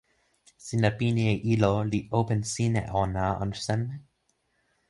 sina pini e ilo li open sin e ona anu seme?